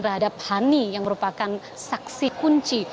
terhadap hani yang merupakan saksi kunci